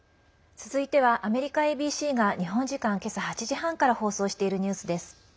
続いてはアメリカＡＢＣが日本時間、今朝８時半から放送しているニュースです。